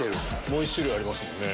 もう１種類ありますね